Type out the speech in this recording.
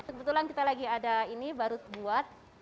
kebetulan kita lagi ada ini baru buat